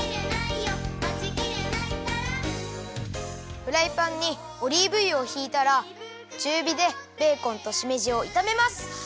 フライパンにオリーブ油をひいたらちゅうびでベーコンとしめじをいためます。